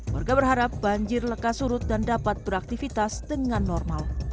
warga berharap banjir lekas surut dan dapat beraktivitas dengan normal